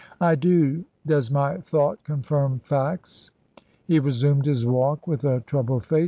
"I do. Does my thought confirm facts?" He resumed his walk with a troubled face.